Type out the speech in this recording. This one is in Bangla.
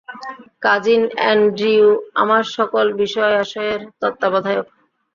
কাজিন অ্যান্ড্রিউ, আমার সকল বিষয়আশয়ের তত্ত্বাবধায়ক!